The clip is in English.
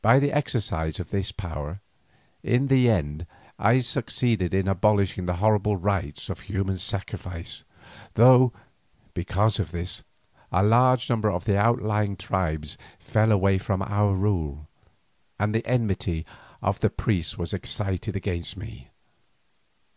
By the exercise of this power, in the end I succeeded in abolishing the horrible rites of human sacrifice, though, because of this, a large number of the outlying tribes fell away from our rule, and the enmity of the priests was excited against me.